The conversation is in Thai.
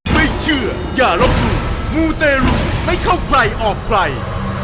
ไม่เชื่ออย่าลบหลู่มูเตรุไม่เข้าใครออกใคร